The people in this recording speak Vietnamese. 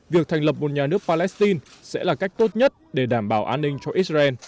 việc thành lập một nhà nước palestine sẽ là cách tốt nhất để đảm bảo an ninh cho israel